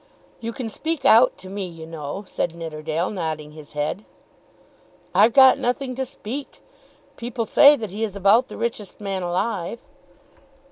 "You can speak out to me, you know," said Nidderdale, nodding his head. "I've got nothing to speak. People say that he is about the richest man alive."